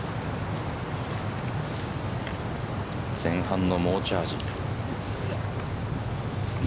前半の猛チャージ。